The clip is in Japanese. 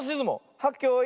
はっけよい。